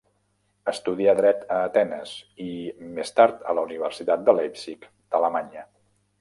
Estudià Dret a Atenes i, més tard, a la Universitat de Leipzig d'Alemanya.